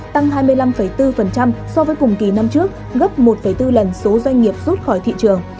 tăng hai mươi năm bốn so với cùng kỳ năm trước gấp một bốn lần số doanh nghiệp rút khỏi thị trường